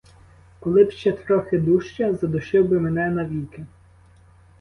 Коли б ще трохи дужче — задушив би мене навіки!